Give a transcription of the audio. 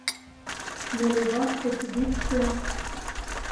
Но леваш гыч вӱдшӧ